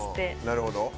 なるほど。